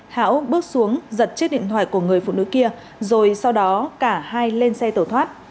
hão bước xuống giật chiếc điện thoại của người phụ nữ kia rồi sau đó cả hai lên xe tẩu thoát